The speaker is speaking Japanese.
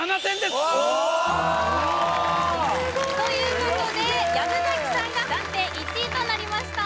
すごいということで薮崎さんが暫定１位となりました